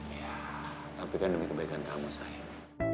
iya tapi kan demi kebaikan kamu sayang